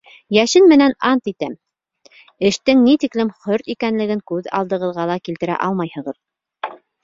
Йәшен менән ант итәм, эштең ни тиклем хөрт икәнлеген күҙ алдығыҙға ла килтерә алмайһығыҙ.